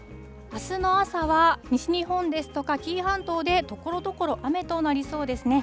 あすの朝は西日本ですとか紀伊半島で、ところどころ雨となりそうですね。